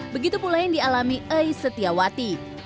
begitu pula yang dialami ais setiawati